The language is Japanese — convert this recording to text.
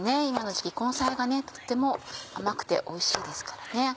今の時期根菜がとっても甘くておいしいですからね。